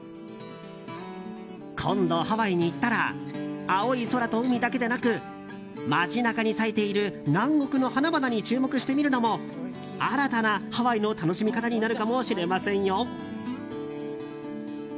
今度ハワイに行ったら青い空と海だけでなく街中に咲いている南国の花々に注目してみるのも新たなハワイの楽しみ方になるかもしれませんよ。